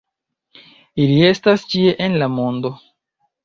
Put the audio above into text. Ili estas ĉie en la mondo.